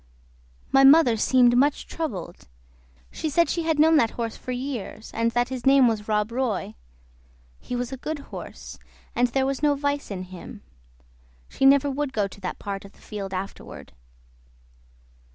My mother seemed much troubled; she said she had known that horse for years, and that his name was "Rob Roy"; he was a good horse, and there was no vice in him. She never would go to that part of the field afterward.